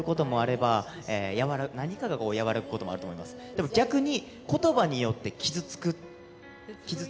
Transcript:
でも逆に。